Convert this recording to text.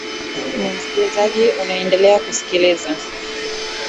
m msikilizaji unaendelea kuskiliza